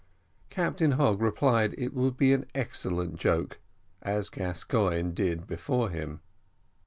Captain Hogg replied it would be an excellent joke, as Gascoigne did before him.